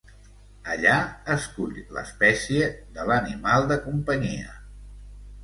Allà, escull l'espècie de l'animal de companyia.